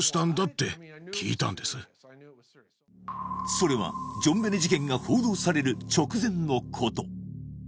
それはジョンベネ事件が報道される直前のこと